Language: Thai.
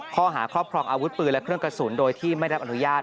ข้อหาครอบครองอาวุธปืนและเครื่องกระสุนโดยที่ไม่รับอนุญาต